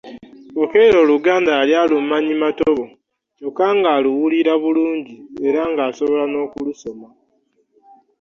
Okello Oluganda yali alumanyi matobo kyokka ng'aluwulira bulungi era ng'asobola n'okulusoma.